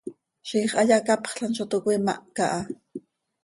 Ziix hayacapxlam zo toc cöimahca ha.